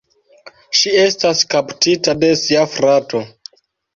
Ŝi estas kaptita de sia frato.